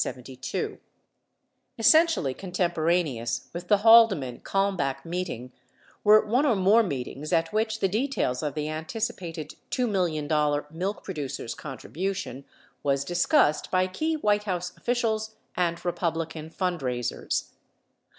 38 Essentially contemporaneous with the Haldeman Kalmbach meet ing were one or more meetings at which the details of the anticipated $2 million milk producers' contribution was discussed by key White House officials and Republican fundraisers.